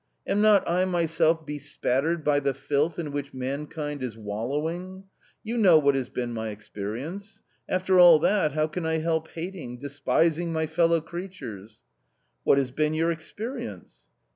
Am not I myself bespattered by the filth in which mankind is wallowing ? You know what has been my experience— after all that, how can I help hating, despising my fellow creatures !" "What has been your experience